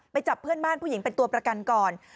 จับเพื่อนบ้านผู้หญิงเป็นตัวประกันก่อน